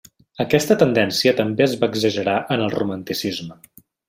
Aquesta tendència també es va exagerar en el Romanticisme.